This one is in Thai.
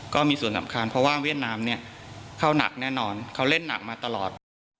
ก็มีส่วนสำคัญเพราะว่าเวียดนามเนี่ยเข้าหนักแน่นอนเขาเล่นหนักมาตลอด